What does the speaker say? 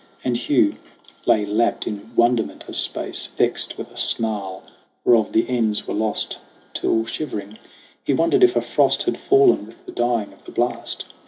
And Hugh lay lapped in wonderment a space, Vexed with a snarl whereof the ends were lost, Till, shivering, he wondered if a frost Had fallen with the dying of the blast.